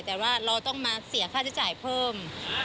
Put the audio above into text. แต่ว่าเราต้องมาเสียค่าใช้จ่ายเพิ่ม